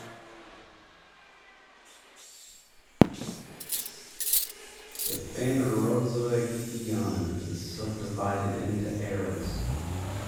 The Phanerozoic Eon is subdivided into eras.